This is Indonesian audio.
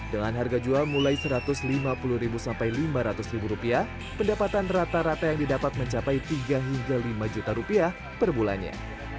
dengan harga jual mulai rp satu ratus lima puluh sampai lima ratus pendapatan rata rata yang didapat mencapai tiga hingga lima juta rupiah per bulannya